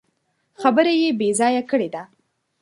خبره يې بې ځايه کړې ده.